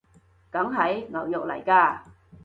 梗係！牛肉來㗎！